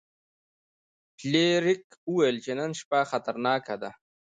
فلیریک وویل چې نن شپه خطرناکه ده.